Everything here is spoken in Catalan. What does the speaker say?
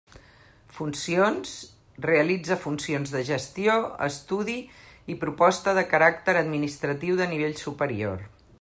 Funcions: realitza funcions de gestió, estudi i proposta de caràcter administratiu de nivell superior.